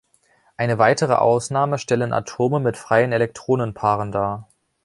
Eine weitere Ausnahme stellen Atome mit freien Elektronenpaaren dar.